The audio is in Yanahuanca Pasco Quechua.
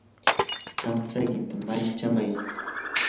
kamtsaykita malichimay.